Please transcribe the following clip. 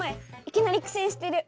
いきなりくせんしてる！